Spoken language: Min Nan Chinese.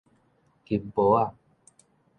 金箔仔